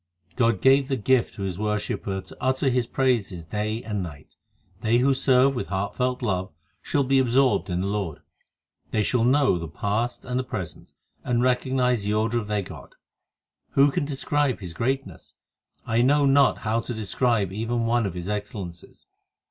7 God gave the gift to His worshipper To utter His praises day and night. They who serve with heartfelt love, Shall be absorbed in the Lord. They shall know the past and the present, And recognize the order of their God. Who can describe His greatness ? I know not how to describe even one of His excellences.